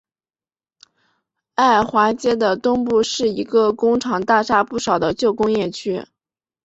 埃华街的东部是一个工厂大厦不少的旧工业区。